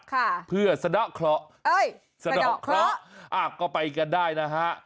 ค่ะเพื่อสะดอกเคราะห์เอ้ยสะดอกเคราะห์อ่าก็ไปกันได้นะฮะ